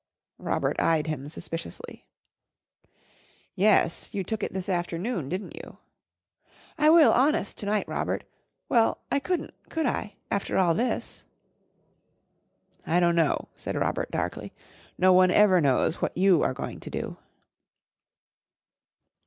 Robert eyed him suspiciously. "Yes, you took it this afternoon, didn't you?" "I will, honest, to night, Robert. Well, I couldn't, could I? after all this." "I don't know," said Robert darkly. "No one ever knows what you are going to do!"